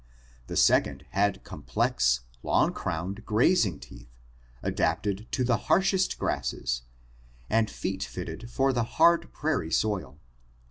The second had complex, long crowned, grazing teeth adapted to the harshest grasses and feet fitted for the hard prairie soil.